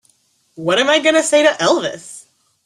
What am I going to say to Elvis?